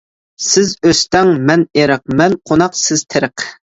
سىز ئۆستەڭ مەن ئېرىق، مەن قوناق سىز تېرىق.